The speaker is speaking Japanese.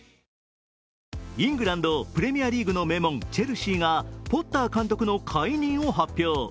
イングランド・プレミアリーグの名門、チェルシーがポッター監督の解任を発表。